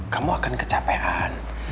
kamu akan kecapean